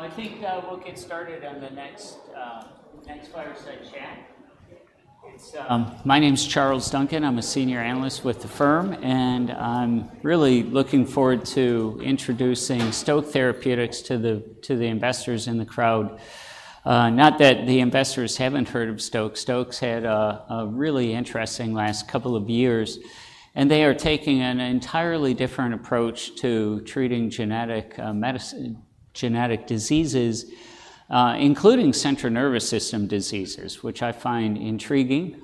I think we'll get started on the next fireside chat. My name's Charles Duncan. I'm a senior analyst with the firm, and I'm really looking forward to introducing Stoke Therapeutics to the investors in the crowd. Not that the investors haven't heard of Stoke. Stoke's had a really interesting last couple of years, and they are taking an entirely different approach to treating genetic diseases, including central nervous system diseases, which I find intriguing.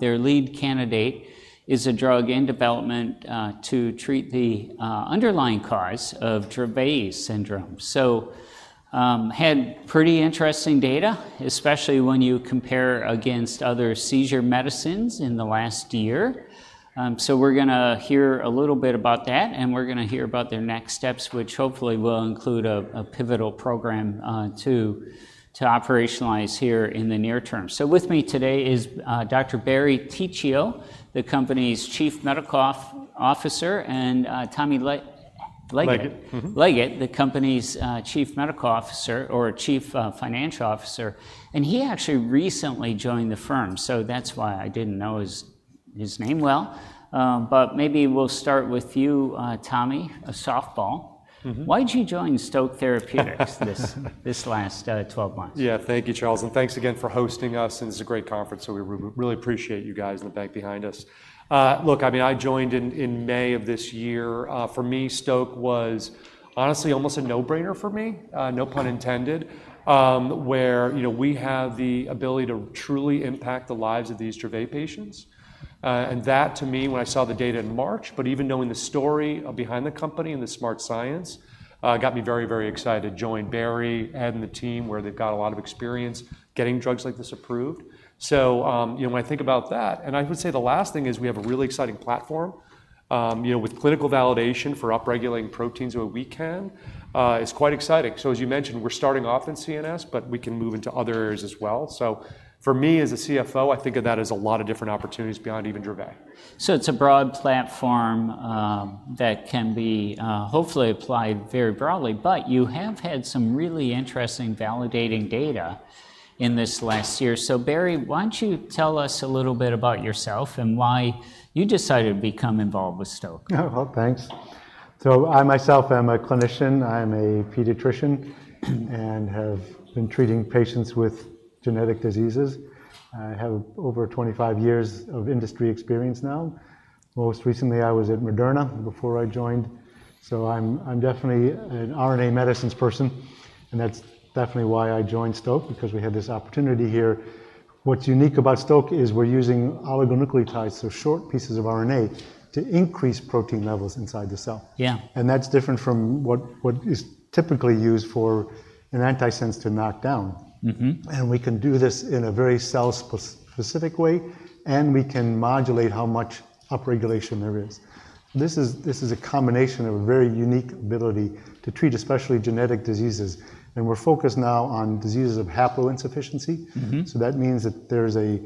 Their lead candidate is a drug in development to treat the underlying cause of Dravet syndrome. Had pretty interesting data, especially when you compare against other seizure medicines in the last year. So we're gonna hear a little bit about that, and we're gonna hear about their next steps, which hopefully will include a pivotal program to operationalize here in the near term. So with me today is Dr. Barry Ticho, the company's Chief Medical Officer, and Tommy Leggett. Leggett. Mm-hmm Leggett, the company's Chief Medical Officer or Chief Financial Officer, and he actually recently joined the firm, so that's why I didn't know his name well. But maybe we'll start with you, Tommy, a softball. Mm-hmm. Why'd you join Stoke Therapeutics this last twelve months? Yeah. Thank you, Charles, and thanks again for hosting us, and this is a great conference, so we really appreciate you guys in the back behind us. Look, I mean, I joined in May of this year. For me, Stoke was honestly almost a no-brainer for me, no pun intended, where you know, we have the ability to truly impact the lives of these Dravet patients. And that, to me, when I saw the data in March, but even knowing the story behind the company and the smart science, got me very, very excited to join Barry and the team, where they've got a lot of experience getting drugs like this approved. So, you know, when I think about that-- And I would say the last thing is we have a really exciting platform. You know, with clinical validation for upregulating proteins the way we can, is quite exciting. So as you mentioned, we're starting off in CNS, but we can move into other areas as well. So for me, as a CFO, I think of that as a lot of different opportunities beyond even Dravet. So it's a broad platform that can be hopefully applied very broadly. But you have had some really interesting validating data in this last year. So Barry, why don't you tell us a little bit about yourself and why you decided to become involved with Stoke? Oh, well, thanks. I myself am a clinician. I'm a pediatrician and have been treating patients with genetic diseases. I have over 25 years of industry experience now. Most recently, I was at Moderna, before I joined, so I'm definitely an RNA medicines person, and that's definitely why I joined Stoke, because we had this opportunity here. What's unique about Stoke is we're using oligonucleotides, so short pieces of RNA, to increase protein levels inside the cell. Yeah. That's different from what is typically used for an antisense to knock down. Mm-hmm. We can do this in a very cell-specific way, and we can modulate how much upregulation there is. This is, this is a combination of a very unique ability to treat especially genetic diseases, and we're focused now on diseases of haploinsufficiency. Mm-hmm. So that means that there's a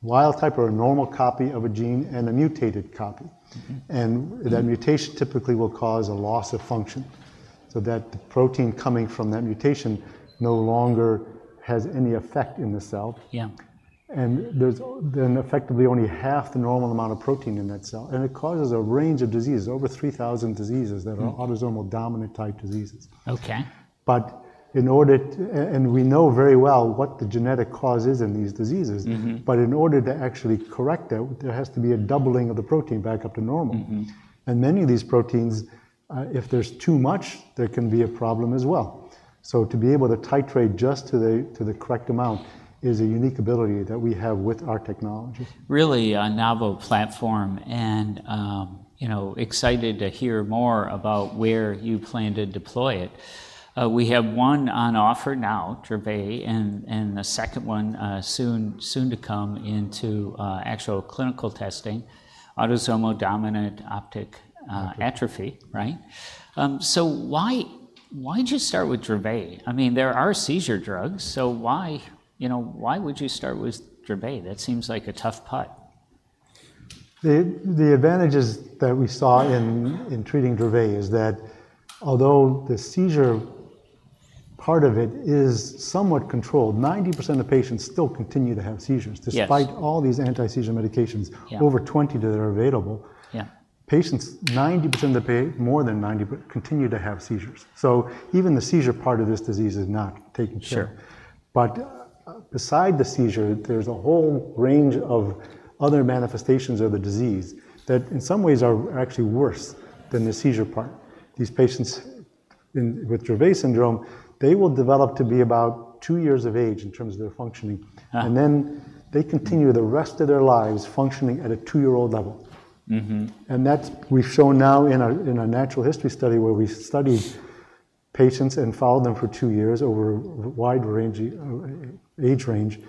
wild type or a normal copy of a gene and a mutated copy. Mm-hmm. That mutation typically will cause a loss of function, so that protein coming from that mutation no longer has any effect in the cell. Yeah. And there's then effectively only half the normal amount of protein in that cell, and it causes a range of diseases, over three thousand diseases. Mm -that are autosomal dominant-type diseases. Okay. We know very well what the genetic cause is in these diseases. Mm-hmm. But in order to actually correct it, there has to be a doubling of the protein back up to normal. Mm-hmm. Many of these proteins, if there's too much, there can be a problem as well. To be able to titrate just to the correct amount is a unique ability that we have with our technology. Really a novel platform and, you know, excited to hear more about where you plan to deploy it. We have one on offer now, Dravet, and a second one, soon to come into actual clinical testing, autosomal dominant optic atrophy, right? Mm. So, why, why'd you start with Dravet? I mean, there are seizure drugs, so why, you know, why would you start with Dravet? That seems like a tough putt. The advantages that we saw in treating Dravet is that although the seizure part of it is somewhat controlled, 90% of patients still continue to have seizures. Yes -despite all these anti-seizure medications, Yeah .-over 20 that are available. Yeah. Patients, more than 90% continue to have seizures. So even the seizure part of this disease is not taken care of. Sure. But, besides the seizure, there's a whole range of other manifestations of the disease that in some ways are actually worse than the seizure part. These patients with Dravet syndrome, they will develop to be about two years of age in terms of their functioning. Ah. And then, they continue the rest of their lives functioning at a two-year-old level. Mm-hmm. We've shown now in a natural history study, where we studied patients and followed them for two years over a wide age range,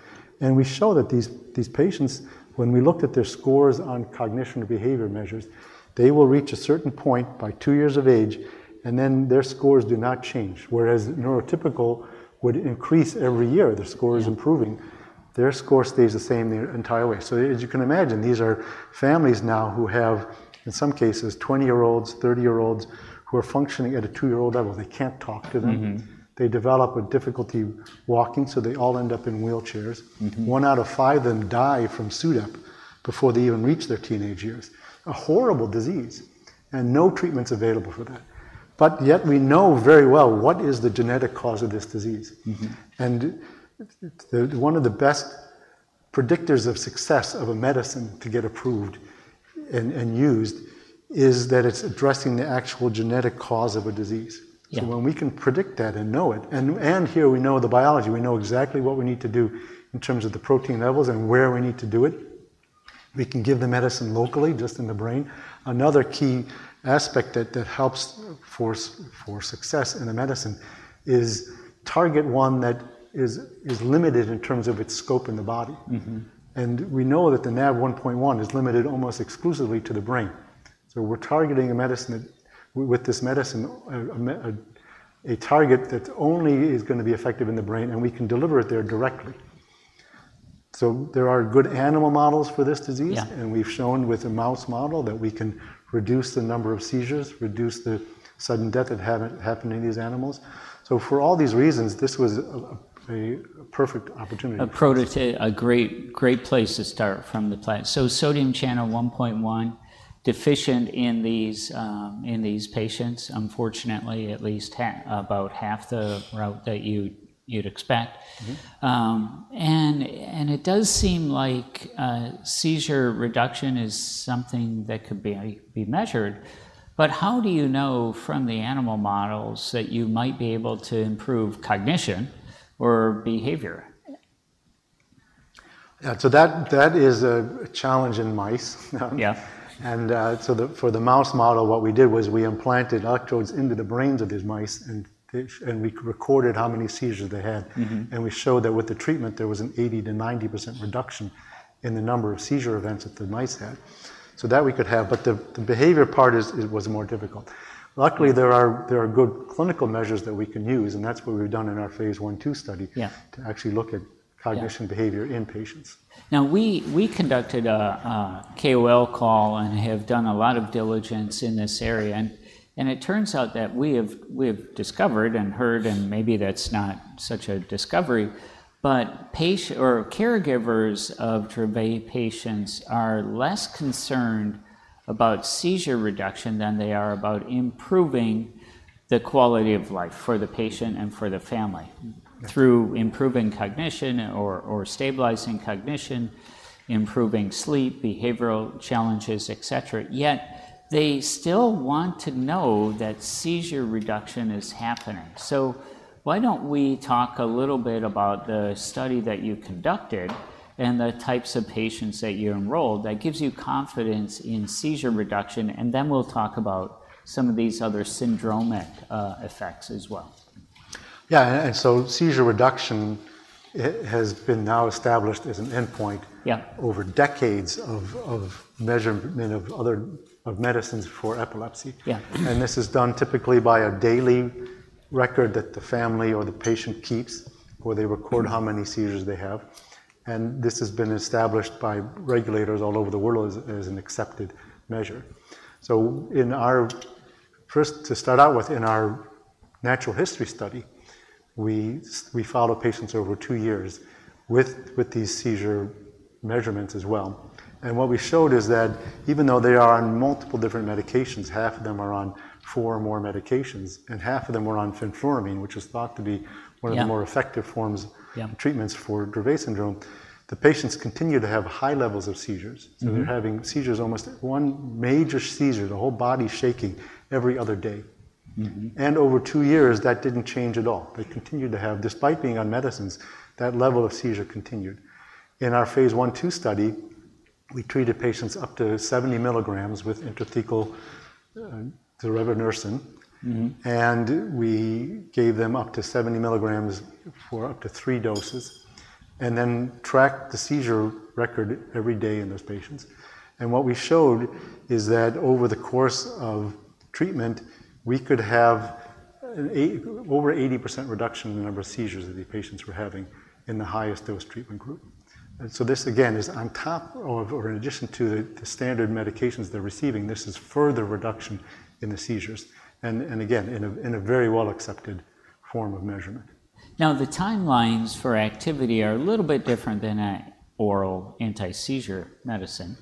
and we show that these patients, when we looked at their scores on cognition and behavior measures, they will reach a certain point by two years of age, and then their scores do not change. Whereas neurotypical would increase every year, their score stays the same the entire way. As you can imagine, these are families now who have, in some cases, twenty-year-olds, thirty-year-olds, who are functioning at a two-year-old level. They can't talk to them. Mm-hmm. They develop a difficulty walking, so they all end up in wheelchairs. Mm-hmm. One out of five then die from SUDEP before they even reach their teenage years. A horrible disease, and no treatments available for that. But yet we know very well what is the genetic cause of this disease. Mm-hmm. One of the best predictors of success of a medicine to get approved and used is that it's addressing the actual genetic cause of a disease. Yeah. So when we can predict that and know it, and here we know the biology, we know exactly what we need to do in terms of the protein levels and where we need to do it, we can give the medicine locally, just in the brain. Another key aspect that helps for success in a medicine is target one that is limited in terms of its scope in the body. Mm-hmm. And we know that the Nav1.1 is limited almost exclusively to the brain. So we're targeting a medicine that with this medicine a target that only is gonna be effective in the brain, and we can deliver it there directly. So there are good animal models for this disease. Yeah. We've shown with a mouse model that we can reduce the number of seizures, reduce the sudden death that haven't happened in these animals. For all these reasons, this was a perfect opportunity. A great, great place to start from the standpoint. So sodium channel 1.1, deficient in these patients, unfortunately at least about half the amount that you'd expect. Mm-hmm. And it does seem like seizure reduction is something that could be measured. But how do you know from the animal models that you might be able to improve cognition or behavior? Yeah, so that is a challenge in mice. Yeah. For the mouse model, what we did was we implanted electrodes into the brains of these mice, and we recorded how many seizures they had. Mm-hmm. We showed that with the treatment, there was an 80%-90% reduction in the number of seizure events that the mice had. That we could have, but the behavior part is, it was more difficult. Luckily, there are good clinical measures that we can use, and that's what we've done in our phase I and II study- Yeah -- to actually look at- Yeah -cognitive behavior in patients. Now, we conducted a KOL call and have done a lot of diligence in this area, and it turns out that we discovered and heard, and maybe that's not such a discovery, but patient or caregivers of Dravet patients are less concerned about seizure reduction than they are about improving the quality of life for the patient and for the family- Mm-hmm -through improving cognition or stabilizing cognition, improving sleep, behavioral challenges, et cetera. Yet, they still want to know that seizure reduction is happening. So why don't we talk a little bit about the study that you conducted and the types of patients that you enrolled that gives you confidence in seizure reduction, and then we'll talk about some of these other syndromic effects as well. Yeah. And so seizure reduction, it has been now established as an endpoint. Yeah -over decades of measurement of other medicines for epilepsy. Yeah. This is done typically by a daily record that the family or the patient keeps, where they record- Mm-hmm --how many seizures they have, and this has been established by regulators all over the world as an accepted measure. So in our first, to start out with, in our natural history study, we followed patients over two years with these seizure measurements as well. And what we showed is that even though they are on multiple different medications, half of them are on four or more medications, and half of them were on fenfluramine, which is thought to be one of the- Yeah -more effective forms- Yeah -treatments for Dravet syndrome, the patients continue to have high levels of seizures. Mm-hmm. So they're having seizures, almost one major seizure, the whole body shaking, every other day. Mm-hmm. Over two years, that didn't change at all. They continued to have-- Despite being on medicines, that level of seizure continued. In our phase 1/2 study, we treated patients up to 70 milligrams with intrathecal zorevunersen. Mm-hmm. And we gave them up to 70 milligrams for up to three doses, and then tracked the seizure record every day in those patients. And what we showed is that over the course of treatment, we could have an 80% reduction in the number of seizures that the patients were having in the highest dose treatment group. And so this, again, is on top of or in addition to the standard medications they're receiving. This is further reduction in the seizures, and again, in a very well-accepted form of measurement. Now, the timelines for activity are a little bit different than an oral anti-seizure medicine.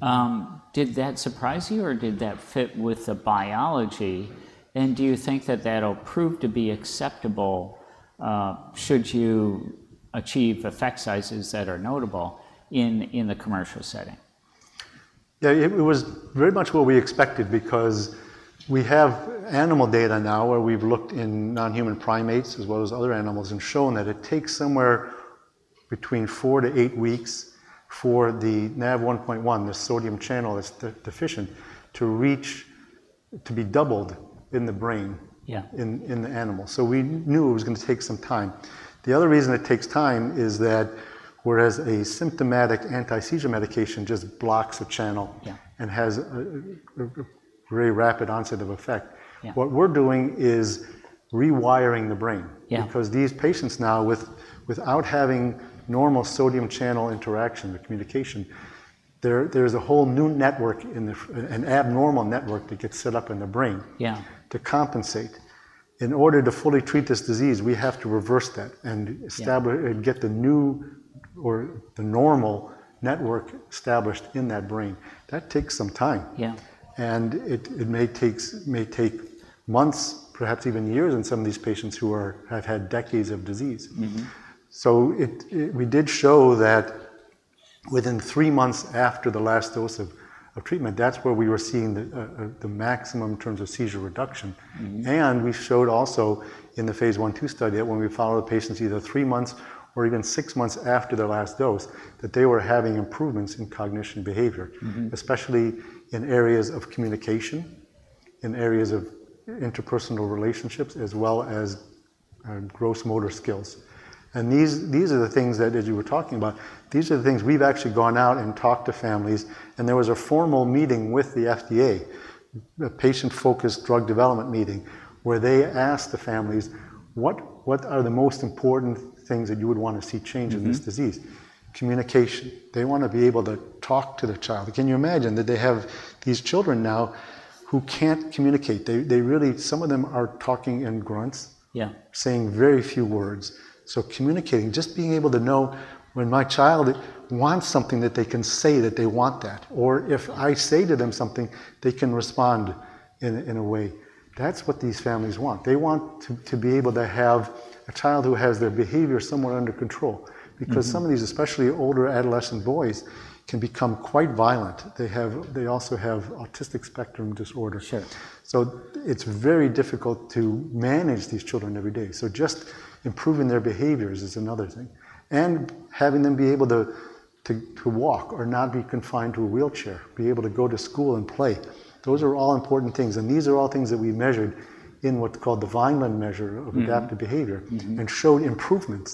Mm-hmm. Did that surprise you, or did that fit with the biology? And do you think that that'll prove to be acceptable, should you achieve effect sizes that are notable in the commercial setting? Yeah, it was very much what we expected because we have animal data now where we've looked in non-human primates, as well as other animals, and shown that it takes somewhere between four to eight weeks for the Nav1.1, the sodium channel that's deficient, to reach-- to be doubled in the brain- Yeah -in the animal. So we knew it was gonna take some time. The other reason it takes time is that whereas a symptomatic anti-seizure medication just blocks a channel- Yeah -- and has a very rapid onset of effect. Yeah. What we're doing is rewiring the brain. Yeah. Because these patients now, without having normal sodium channel interaction, the communication there, there's a whole new network, an abnormal network that gets set up in the brain- Yeah to compensate. In order to fully treat this disease, we have to reverse that, and Yeah -- establish and get the new or the normal network established in that brain. That takes some time. Yeah. It may take months, perhaps even years, in some of these patients who have had decades of disease. Mm-hmm. We did show that within three months after the last dose of treatment, that's where we were seeing the maximum in terms of seizure reduction. Mm-hmm. We showed also in the phase 1/2 study, that when we followed the patients either three months or even six months after their last dose, that they were having improvements in cognition behavior- Mm-hmm -- especially in areas of communication, in areas of interpersonal relationships, as well as, gross motor skills. And these, these are the things that, as you were talking about, these are the things we've actually gone out and talked to families, and there was a formal meeting with the FDA, a patient-focused drug development meeting, where they asked the families: "What are the most important things that you would wanna see change in this disease? Mm-hmm. Communication. They wanna be able to talk to their child. Can you imagine that they have these children now who can't communicate? They really-- Some of them are talking in grunts- Yeah --saying very few words, so communicating, just being able to know when my child wants something, that they can say that they want that, or if I say to them something, they can respond in a way. That's what these families want. They want to be able to have a child who has their behavior somewhat under control- Mm-hmm -- because some of these, especially older adolescent boys, can become quite violent. They also have autism spectrum disorder. Sure. It's very difficult to manage these children every day. Just improving their behaviors is another thing, and having them be able to walk or not be confined to a wheelchair, be able to go to school and play. Those are all important things, and these are all things that we measured in what's called the Vineland Measure of- Mm-hmm -- Adaptive Behavior. Mm-hmm. And showed improvements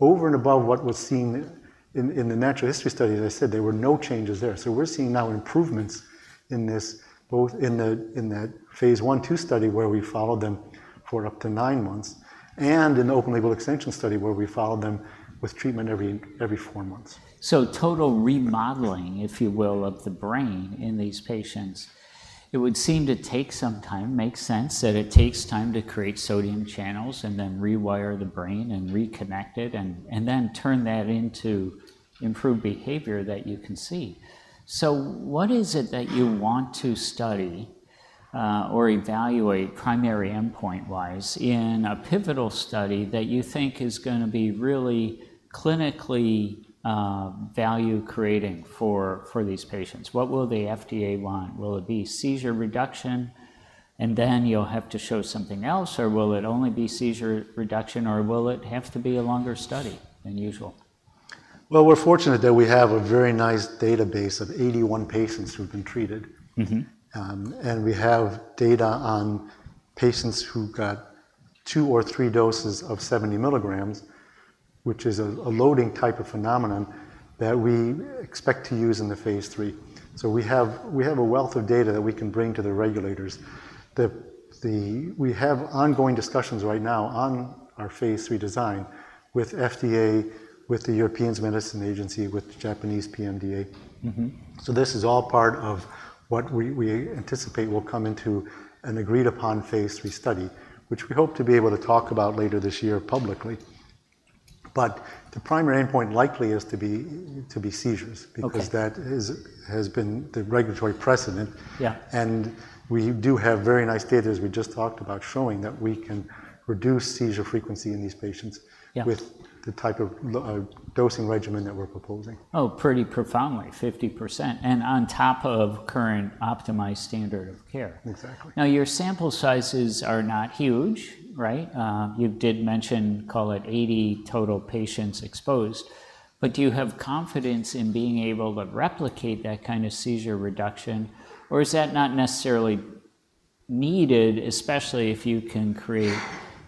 over and above what was seen in the natural history study. As I said, there were no changes there. So we're seeing now improvements in this, both in the phase 1/2 study, where we followed them for up to nine months, and in the open-label extension study, where we followed them with treatment every four months. So total remodeling, if you will, of the brain in these patients. It would seem to take some time. Makes sense that it takes time to create sodium channels and then rewire the brain and reconnect it, and then turn that into improved behavior that you can see. So what is it that you want to study, or evaluate, primary endpoint-wise, in a pivotal study that you think is gonna be really clinically, value-creating for these patients? What will the FDA want? Will it be seizure reduction, and then you'll have to show something else, or will it only be seizure reduction, or will it have to be a longer study than usual? We're fortunate that we have a very nice database of eighty-one patients who've been treated. Mm-hmm. And we have data on patients who got two or three doses of 70 milligrams, which is a loading type of phenomenon that we expect to use in the phase III. So we have a wealth of data that we can bring to the regulators. We have ongoing discussions right now on our phase III design with FDA, with the European Medicines Agency, with the Japanese PMDA. Mm-hmm. So this is all part of what we anticipate will come into an agreed-upon phase III study, which we hope to be able to talk about later this year publicly. But the primary endpoint likely is to be seizures- Okay -- because that is, has been the regulatory precedent. Yeah. And we do have very nice data, as we just talked about, showing that we can reduce seizure frequency in these patients. Yeah -- with the type of dosing regimen that we're proposing. Oh, pretty profoundly, 50%, and on top of current optimized standard of care. Exactly. Now, your sample sizes are not huge, right? You did mention, call it 80 total patients exposed. But do you have confidence in being able to replicate that kind of seizure reduction, or is that not necessarily needed, especially if you can create,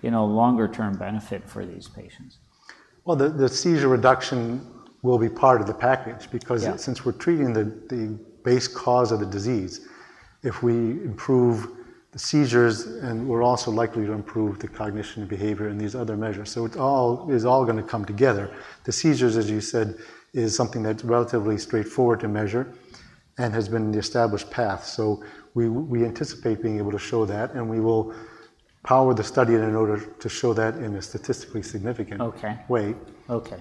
you know, longer term benefit for these patients? The seizure reduction will be part of the package, because- Yeah -- since we're treating the base cause of the disease, if we improve the seizures, then we're also likely to improve the cognition and behavior and these other measures. So it all is gonna come together. The seizures, as you said, is something that's relatively straightforward to measure and has been the established path. So we anticipate being able to show that, and we will power the study in order to show that in a statistically significant- Okay -- way. Okay.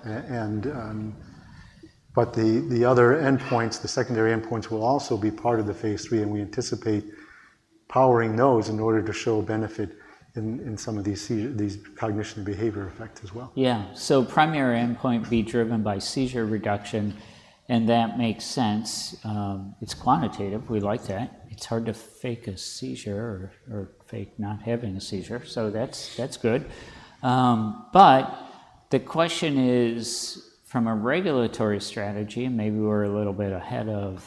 But the other endpoints, the secondary endpoints, will also be part of the phase III, and we anticipate powering those in order to show benefit in some of these cognition behavior effects as well. Yeah. So primary endpoint will be driven by seizure reduction, and that makes sense. It's quantitative. We like that. It's hard to fake a seizure or fake not having a seizure, so that's good. But the question is, from a regulatory strategy, and maybe we're a little bit ahead of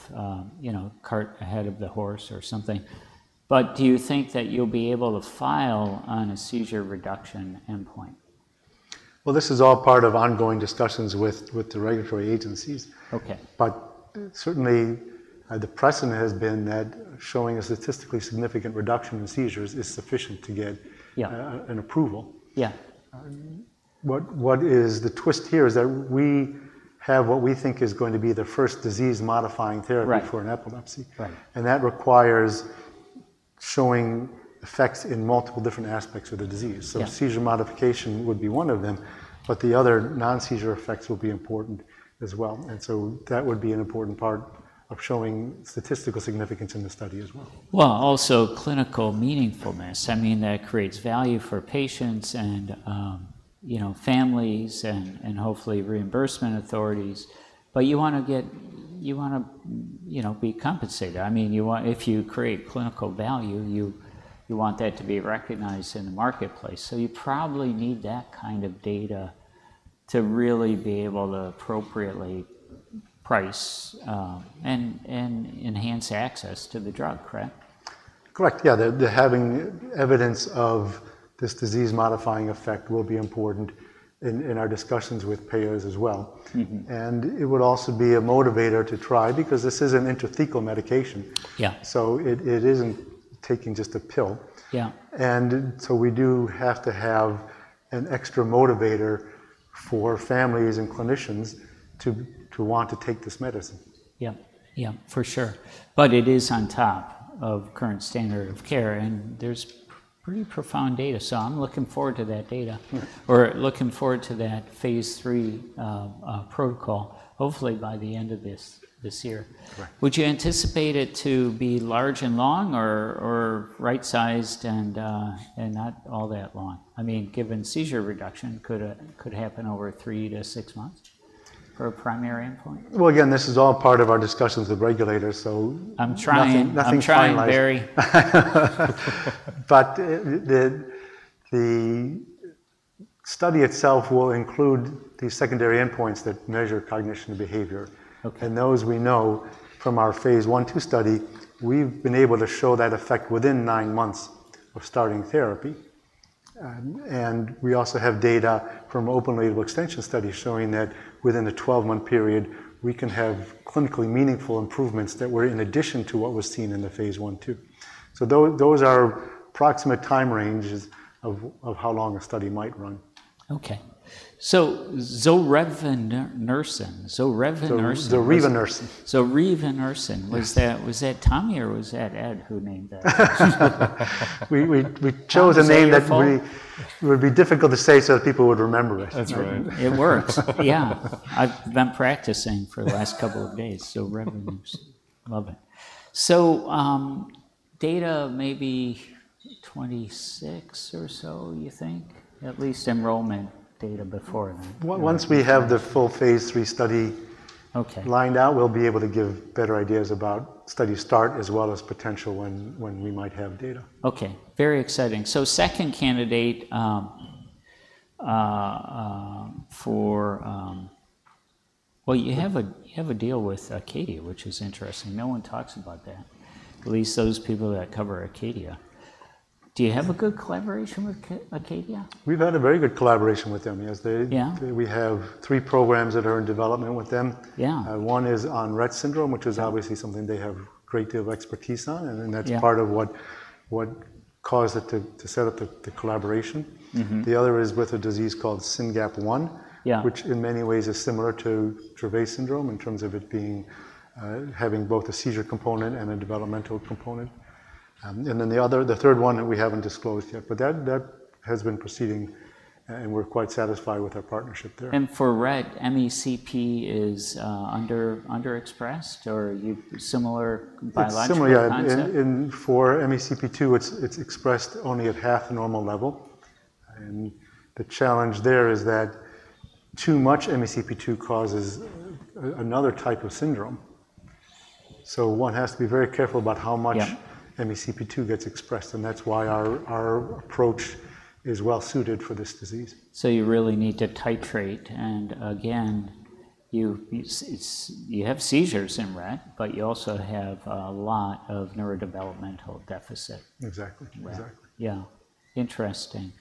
you know, cart ahead of the horse or something, but do you think that you'll be able to file on a seizure reduction endpoint? -- Well, this is all part of ongoing discussions with the regulatory agencies. Okay. But certainly, the precedent has been that showing a statistically significant reduction in seizures is sufficient to get- Yeah -- an approval. Yeah. What is the twist here is that we have what we think is going to be the first disease-modifying therapy- Right -- for an epilepsy. Right. That requires showing effects in multiple different aspects of the disease. Yeah. So seizure modification would be one of them, but the other non-seizure effects will be important as well. And so that would be an important part of showing statistical significance in the study as well. Also clinically meaningfulness. I mean, that creates value for patients and, you know, families and hopefully reimbursement authorities. But you wanna, you know, be compensated. I mean, you want, if you create clinical value, you want that to be recognized in the marketplace. So you probably need that kind of data to really be able to appropriately price and enhance access to the drug, correct? Correct. Yeah. The having evidence of this disease-modifying effect will be important in our discussions with payers as well. Mm-hmm. And it would also be a motivator to try, because this is an intrathecal medication. Yeah. So it isn't taking just a pill. Yeah. And so we do have to have an extra motivator for families and clinicians to want to take this medicine. Yeah. Yeah, for sure, but it is on top of current standard of care, and there's pretty profound data, so I'm looking forward to that data. Yeah. Or looking forward to that phase III protocol, hopefully by the end of this year. Right. Would you anticipate it to be large and long or right-sized and not all that long? I mean, given seizure reduction could happen over three to six months for a primary endpoint. Again, this is all part of our discussions with regulators, so. I'm trying. Nothing, nothing's finalized. I'm trying, Barry. But the study itself will include the secondary endpoints that measure cognition and behavior. Okay. Those we know from our phase 1/2 study. We've been able to show that effect within nine months of starting therapy. We also have data from open-label extension studies showing that within a twelve-month period, we can have clinically meaningful improvements that were in addition to what was seen in the phase 1/2. Those are approximate time ranges of how long a study might run. Okay. So zorevunersen. Zorevunersen? Zorevunersen. Zorevunersen. Yeah. Was that Tommy or was that Ed who named that? We chose a name- Tommy, is that your fault? -- that we would be difficult to say, so people would remember it. That's right. It works. Yeah. I've been practicing for the last couple of days. Zorevunersen. Love it. So, data may be 2026 or so, you think? At least enrollment data before then. Once we have the full phase III study- Okay -- lined out, we'll be able to give better ideas about study start as well as potential when we might have data. Okay, very exciting. So second candidate for-- Well, you have a deal with Acadia, which is interesting. No one talks about that, at least those people that cover Acadia. Do you have a good collaboration with Acadia? We've had a very good collaboration with them. Yes, they- Yeah -- We have three programs that are in development with them. Yeah. One is on Rett syndrome, which is obviously something they have a great deal of expertise on, and- Yeah -- that's part of what caused it to set up the collaboration. Mm-hmm. The other is with a disease called SYNGAP1- Yeah -- which in many ways is similar to Dravet syndrome, in terms of it being, having both a seizure component and a developmental component. And then, the other, the third one that we haven't disclosed yet, but that has been proceeding, and we're quite satisfied with our partnership there. For Rett, MECP is underexpressed or a similar biological concept? It's similar, yeah. In for MECP2, it's expressed only at half the normal level. And the challenge there is that too much MECP2 causes another type of syndrome. So one has to be very careful about how much- Yeah -- MECP2 gets expressed, and that's why our approach is well suited for this disease. You really need to titrate, and again, you have seizures in Rett, but you also have a lot of neurodevelopmental deficit. Exactly. Right. Exactly. Yeah. Interesting.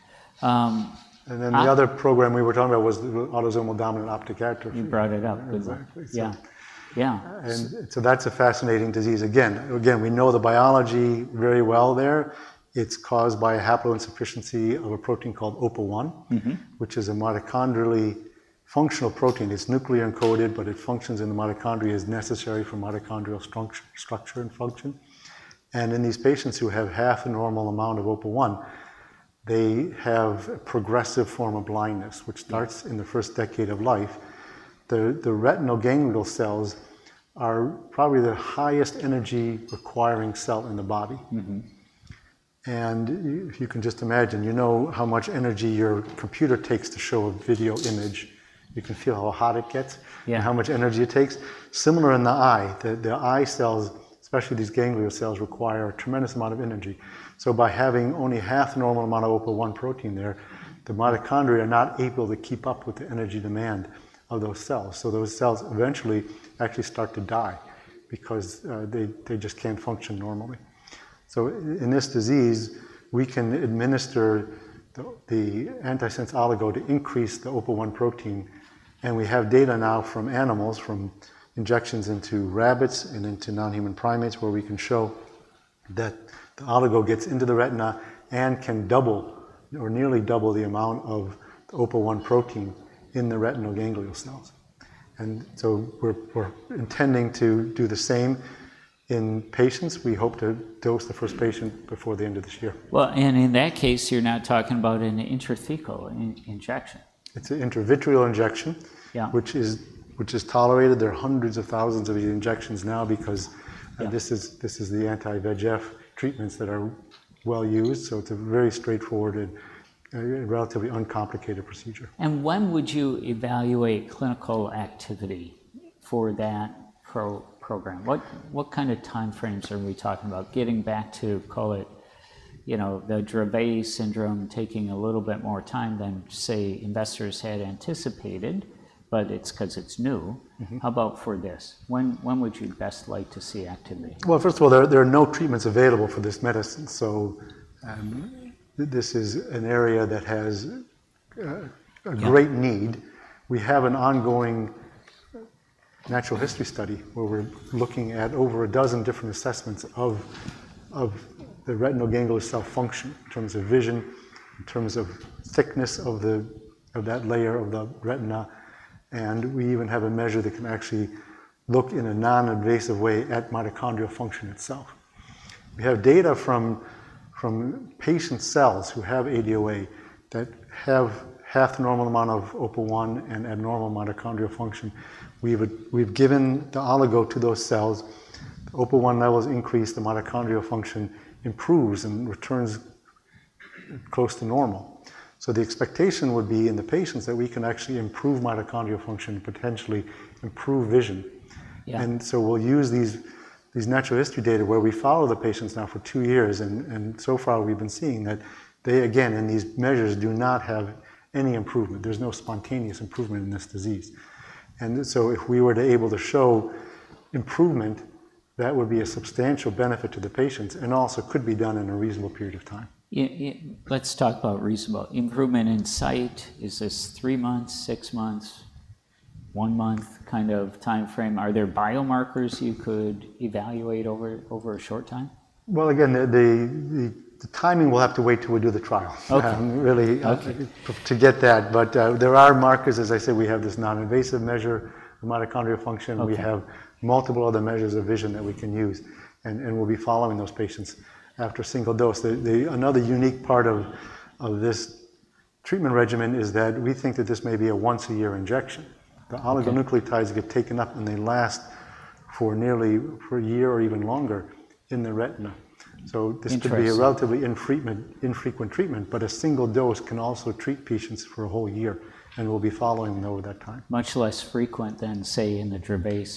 And then, the other program we were talking about was the autosomal dominant optic atrophy. You brought it up. Exactly. Yeah. Yeah. And so that's a fascinating disease. Again, we know the biology very well there. It's caused by a haploinsufficiency of a protein called OPA1. Mm-hmm -- which is a mitochondrially functional protein. It's nuclear encoded, but it functions in the mitochondria, is necessary for mitochondrial structure and function. And in these patients who have half the normal amount of OPA1, they have a progressive form of blindness, which- Yeah -- starts in the first decade of life. The retinal ganglion cells are probably the highest energy-requiring cell in the body. Mm-hmm. And if you can just imagine, you know how much energy your computer takes to show a video image. You can feel how hot it gets- Yeah -- and how much energy it takes. Similar in the eye, the eye cells, especially these ganglion cells, require a tremendous amount of energy. So by having only half the normal amount of OPA1 protein there, the mitochondria are not able to keep up with the energy demand of those cells. So those cells eventually actually start to die because they just can't function normally--. So in this disease, we can administer the antisense oligo to increase the OPA1 protein, and we have data now from animals, from injections into rabbits and into non-human primates, where we can show that the oligo gets into the retina and can double, or nearly double, the amount of the OPA1 protein in the retinal ganglion cells. And so we're intending to do the same in patients. We hope to dose the first patient before the end of this year. In that case, you're now talking about an intrathecal injection. It's an intravitreal injection- Yeah -- which is tolerated. There are hundreds of thousands of these injections now because- Yeah This is the anti-VEGF treatments that are well used, so it's a very straightforward and relatively uncomplicated procedure. And when would you evaluate clinical activity for that program? What kind of timeframes are we talking about? Getting back to, call it, you know, the Dravet syndrome, taking a little bit more time than, say, investors had anticipated, but it's 'cause it's new. Mm-hmm. How about for this? When would you best like to see activity? First of all, there are no treatments available for this medicine, so this is an area that has Yeah -- a great need. We have an ongoing natural history study, where we're looking at over a dozen different assessments of the retinal ganglion cell function, in terms of vision, in terms of thickness of that layer of the retina, and we even have a measure that can actually look, in a non-invasive way, at mitochondrial function itself. We have data from patients' cells who have ADOA, that have half the normal amount of OPA1 and abnormal mitochondrial function. We've given the oligo to those cells. The OPA1 levels increase, the mitochondrial function improves and returns close to normal. So the expectation would be, in the patients, that we can actually improve mitochondrial function and potentially improve vision. Yeah. And so we'll use these natural history data, where we follow the patients now for two years, and so far we've been seeing that they, again, in these measures, do not have any improvement. There's no spontaneous improvement in this disease. And so if we were to able to show improvement, that would be a substantial benefit to the patients, and also could be done in a reasonable period of time. Yeah, yeah. Let's talk about reasonable improvement in sight. Is this three months, six months, one month kind of timeframe? Are there biomarkers you could evaluate over a short time? Again, the timing will have to wait till we do the trial. Okay. Um, really- Okay -- to get that. But, there are markers. As I said, we have this non-invasive measure of mitochondrial function- Okay -- and we have multiple other measures of vision that we can use, and we'll be following those patients after a single dose. Another unique part of this treatment regimen is that we think that this may be a once a year injection. Okay. The oligonucleotides get taken up, and they last for nearly a year or even longer in the retina. Interesting -- this could be a relatively infrequent treatment, but a single dose can also treat patients for a whole year, and we'll be following them over that time. Much less frequent than, say, in the Dravet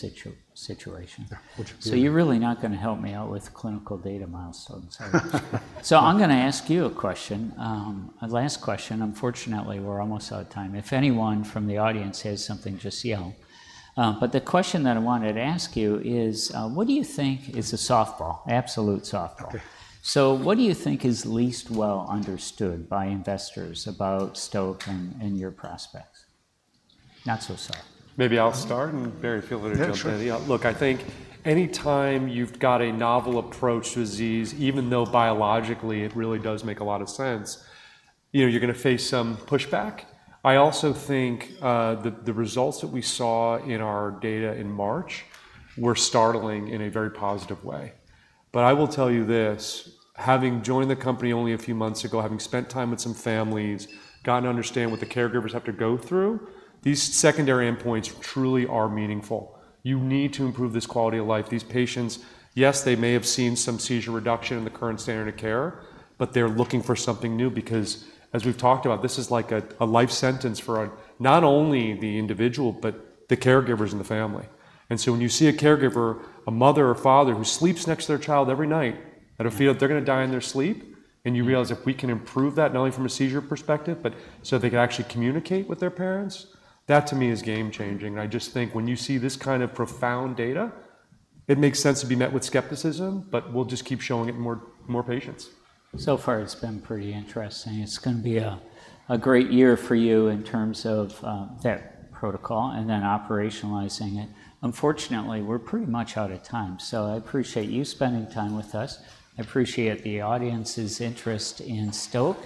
situation. Yeah, which- So you're really not gonna help me out with clinical data milestones, are you? So I'm gonna ask you a question, a last question. Unfortunately, we're almost out of time. If anyone from the audience has something, just yell. But the question that I wanted to ask you is, what do you think-- It's a softball, absolute softball. Okay. So what do you think is least well understood by investors about Stoke and your prospects? Not so soft. Maybe I'll start, and Barry, feel free to jump in. Yeah, sure. Look, I think any time you've got a novel approach to a disease, even though biologically it really does make a lot of sense, you know, you're gonna face some pushback. I also think, the results that we saw in our data in March were startling in a very positive way. But I will tell you this, having joined the company only a few months ago, having spent time with some families, gotten to understand what the caregivers have to go through, these secondary endpoints truly are meaningful. You need to improve this quality of life. These patients, yes, they may have seen some seizure reduction in the current standard of care, but they're looking for something new because, as we've talked about, this is like a life sentence for, not only the individual, but the caregivers and the family. And so when you see a caregiver, a mother or father, who sleeps next to their child every night, out of fear that they're gonna die in their sleep, and you realize if we can improve that, not only from a seizure perspective, but so they can actually communicate with their parents, that, to me, is game changing. And I just think when you see this kind of profound data, it makes sense to be met with skepticism, but we'll just keep showing it in more, more patients. So far it's been pretty interesting. It's gonna be a great year for you in terms of that protocol and then operationalizing it. Unfortunately, we're pretty much out of time, so I appreciate you spending time with us. I appreciate the audience's interest in Stoke,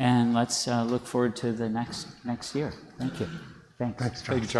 and let's look forward to the next year. Thank you. Thanks. Thanks, Charlie. Great to be here.